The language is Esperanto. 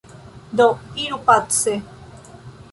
Do iru pace!